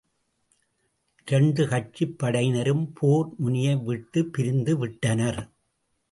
இரண்டு கட்சிப் படையினரும் போர் முனையை விட்டுப் பிரிந்து விட்டனர்.